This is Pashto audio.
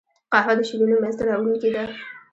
قهوه د شعرونو منځ ته راوړونکې ده